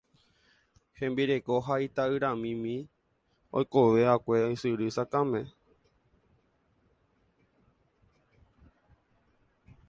Hembireko ha ita'yramimi oikova'ekue Ysyry Sakãme.